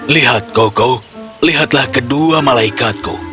lihat koko lihatlah kedua malaikatku